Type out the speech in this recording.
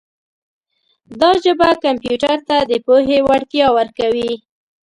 دا ژبه کمپیوټر ته د پوهې وړتیا ورکوي.